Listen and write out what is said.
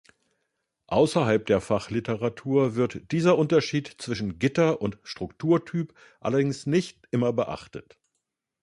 Außerhalb der Fachliteratur wird dieser Unterschied zwischen Gitter und Strukturtyp allerdings nicht immer beachtet.